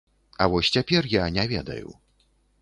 А вось цяпер я не ведаю.